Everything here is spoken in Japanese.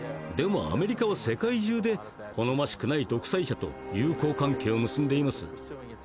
でもアメリカは世界中で好ましくない独裁者と友好関係を結んでいます。